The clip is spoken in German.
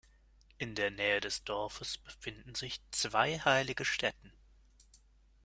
In der Nähe des Dorfes befinden sich zwei heilige Stätten.